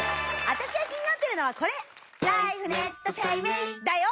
あたしが気になってるのはこれ！だよ！